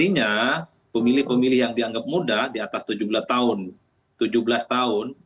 artinya pemilih pemilih yang dianggap muda di atas tujuh belas tahun tujuh belas tahun